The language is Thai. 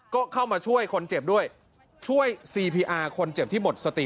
ก็เข้ามาช่วยคนเจ็บด้วยช่วยซีพีอาร์คนเจ็บที่หมดสติ